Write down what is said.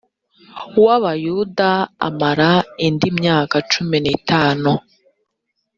w abayuda amara indi myaka cumi n itanu